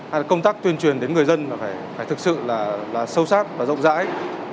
hay là công tác tuyên truyền đến người dân là phải thực sự là sâu sát và rộng rãi